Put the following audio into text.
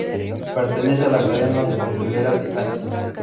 Pertenece a la cadena hotelera Titanic.